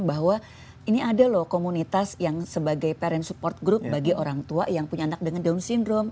bahwa ini ada loh komunitas yang sebagai parent support group bagi orang tua yang punya anak dengan down syndrome